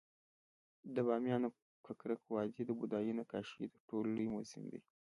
د بامیانو ککرک وادي د بودايي نقاشیو تر ټولو لوی موزیم دی